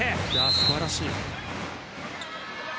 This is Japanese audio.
素晴らしい。